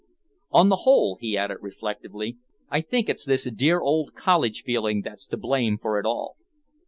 On the whole," he added reflectively, "I think it's this 'dear old college' feeling that's to blame for it all."